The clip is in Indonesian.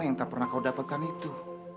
tidak pernah kamu dapatkan itu